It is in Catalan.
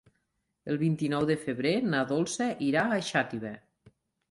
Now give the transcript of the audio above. El vint-i-nou de febrer na Dolça irà a Xàtiva.